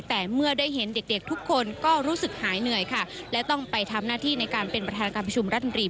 แต่เมื่อได้เห็นเด็กเด็กทุกคนก็รู้สึกหายเหนื่อยค่ะและต้องไปทำหน้าที่ในการเป็นประธานการประชุมรัฐมนตรี